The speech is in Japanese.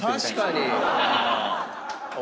確かに！